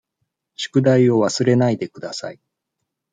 宿題を忘れないでください。